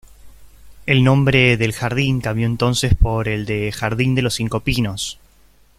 El nombre del jardín cambió entonces por el de "Jardín de los cinco pinos".